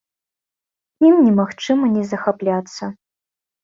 Ім немагчыма не захапляцца.